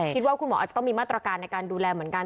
คิดว่าคุณหมออาจจะต้องมีมาตรการในการดูแลเหมือนกัน